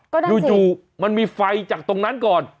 ก็นั่นสิโดยยูมันมีไฟจากตรงนั้นก่อน